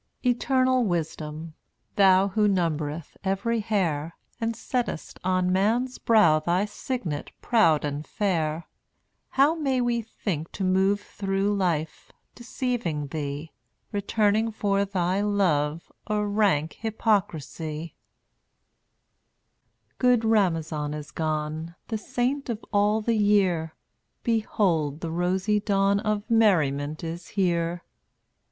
196 Eternal Wisdom, Thou Who numbereth every hair, And settest on man's brow Thy signet proud and fair, How may we think to move Through life, deceiving Thee, Returning for Thy love A rank hypocrisy? sung dT)\Yl&t Good Ramazan is gone, rv% The saint of all the year. [Jf\C/ Behold, the rosy dawn Of Merriment is here!